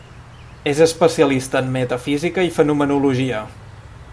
És especialista en Metafísica i Fenomenologia.